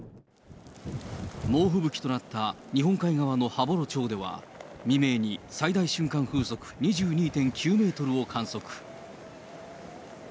猛吹雪となった日本海側の羽幌町では、未明に最大瞬間風速２２．９メートルを観測。